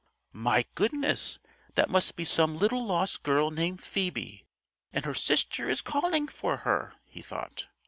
"My goodness, that must be some little lost girl named Phoebe, and her sister is calling for her," he thought.